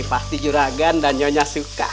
pasti juragan dan nyonya suka